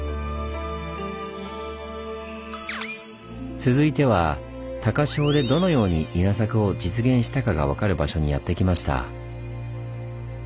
続いては高千穂でどのように稲作を実現したかが分かる場所にやって来ました。